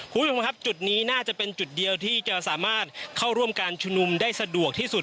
คุณผู้ชมครับจุดนี้น่าจะเป็นจุดเดียวที่จะสามารถเข้าร่วมการชุมนุมได้สะดวกที่สุด